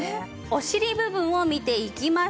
お尻部分を見ていきましょう。